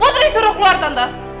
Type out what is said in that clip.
putri suruh keluar tante